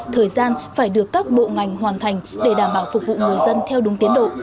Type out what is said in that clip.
thời gian phải được các bộ ngành hoàn thành để đảm bảo phục vụ người dân theo đúng tiến độ